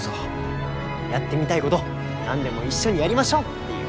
やってみたいごど何でも一緒にやりましょうっていう。